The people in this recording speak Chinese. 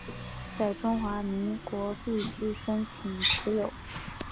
在中华民国必须申请持有。